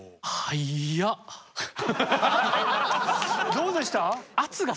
どうでした？